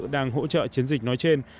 đang hỗ trợ chiến dịch nói trên